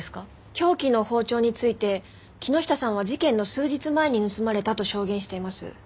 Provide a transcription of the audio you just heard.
凶器の包丁について木下さんは事件の数日前に盗まれたと証言しています。